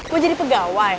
mau jadi pegawai